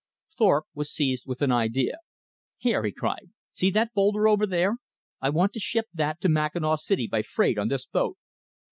Thorpe was seized with an idea. "Here!" he cried. "See that boulder over there? I want to ship that to Mackinaw City by freight on this boat."